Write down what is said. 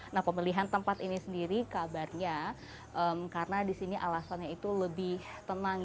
nah pemilihan tempat ini sendiri kabarnya karena di sini alasannya itu lebih tenang